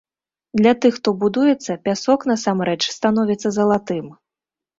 Для тых, хто будуецца, пясок насамрэч становіцца залатым.